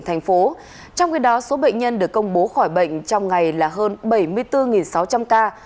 trong khi đó số bệnh nhân được công bố khỏi bệnh trong ngày là hơn bảy mươi bốn sáu trăm linh ca